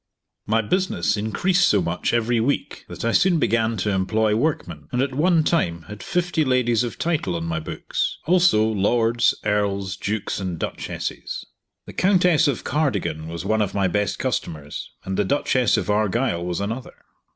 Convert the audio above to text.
My business increased so much every week that I soon began to employ workmen, and at one time had fifty ladies of title on my books; also lords, earls, dukes, and duchesses. The Countess of Cardigan was one of my best customers, and the Duchess of Argyle was another.